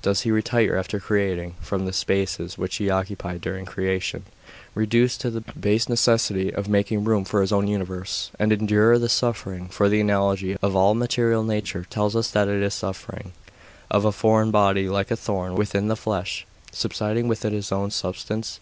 Does He retire after creating, from the spaces which He occupied during creation, reduced to the base necessity of making room for His own universe, and endure the suffering for the analogy of all material nature tells us that it is suffering of a foreign body, like a thorn within the flesh, subsisting within His own substance?